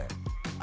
あ